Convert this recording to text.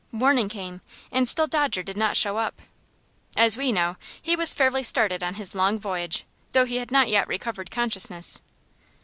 Morning came, and still Dodger did not show up. As we know, he was fairly started on his long voyage, though he had not yet recovered consciousness.